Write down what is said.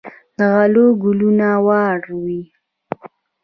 د غلو ګلونه واړه وي.